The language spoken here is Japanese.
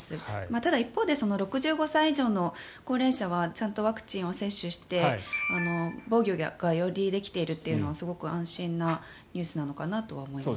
ただ、一方で６５歳以上の高齢者はちゃんとワクチンを接種して防御がよりできているのはより安心なニュースなのかなと思います。